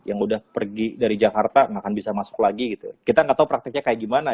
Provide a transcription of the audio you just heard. apa yang udah pergi dari jakarta akan bisa masuk lagi itu kita enggak tahu praktiknya kayak gimana